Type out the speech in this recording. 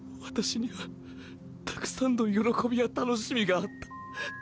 私にはたくさんの喜びや楽しみがあった。